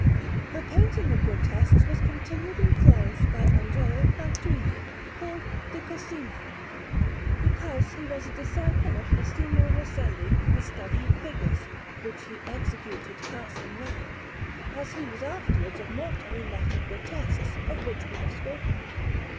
The painting of grotesques was continued in Florence by Andrea Feltrini, called Di Cosimo, because he was a disciple of Cosimo Rosselli in the study of figures (which he executed passing well), as he was afterwards of Morto in that of grotesques, of which we have spoken.